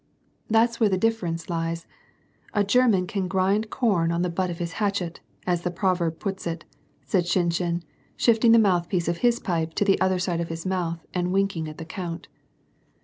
"That's where the difference lies, a German can grind com on the but of his hatchet, as the proverb puts it," said Shinshin, shifting the mouthpiece of his pipe to the other side of his mouth and winking at the count.